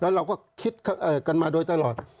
เราก็คิดกันมาโดยตลอด